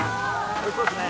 ・おいしそうっすね。